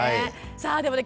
さあでもね